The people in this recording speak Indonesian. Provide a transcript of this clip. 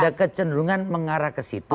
ada kecenderungan mengarah ke situ